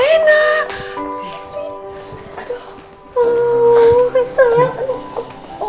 udah aku nggak pernah berjumpa dengan mbak andi mbak